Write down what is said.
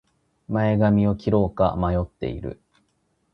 前髪を切ろうか迷っている